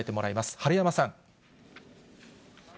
治山さん。